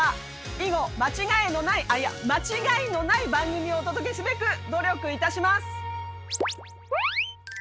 以後間違えのないあっいや間違いのない番組をお届けすべく努力いたします。